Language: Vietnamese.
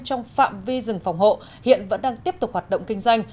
trong phạm vi rừng phòng hộ hiện vẫn đang tiếp tục hoạt động kinh doanh